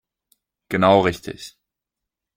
Genau richtig.